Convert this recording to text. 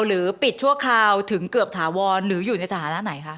หรือปิดชั่วคราวถึงเกือบถาวรหรืออยู่ในสถานะไหนคะ